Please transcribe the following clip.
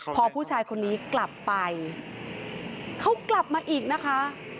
พอผู้ชายคนนี้กลับไปเขากลับมาอีกนะคะ